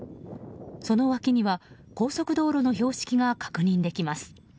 その脇には高速道路の標識が確認できます。